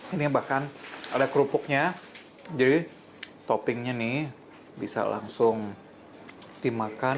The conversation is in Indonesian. ini bahkan ada kerupuknya jadi toppingnya nih bisa langsung dimakan